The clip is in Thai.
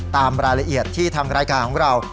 ตามรายละเอียดที่ทางรายการของเรา